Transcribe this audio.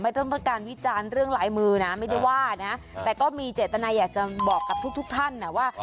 ต้องการวิจารณ์เรื่องลายมือนะไม่ได้ว่านะแต่ก็มีเจตนาอยากจะบอกกับทุกทุกท่านนะว่า